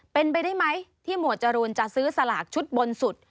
เป็นไปได้ไหมที่หมวดจรูนจะซื้อสลากชุดบนสุด